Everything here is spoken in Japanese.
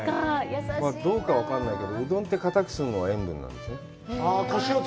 どうか分からないけど、うどんってかたくするのが塩分なんでしょう。